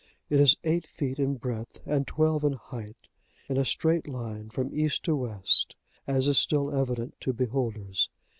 It is eight feet in breadth, and twelve in height, in a straight line from east to west, as is still evident to beholders.